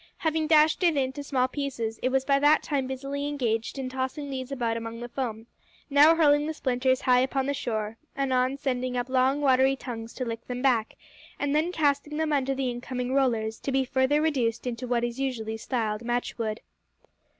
Having dashed it into small pieces, it was by that time busily engaged in tossing these about among the foam, now hurling the splinters high upon the shore, anon sending up long watery tongues to lick them back, and then casting them under the incoming rollers, to be further reduced into what is usually styled matchwood.